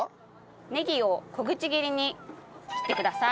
ねぎを小口切りに切ってください。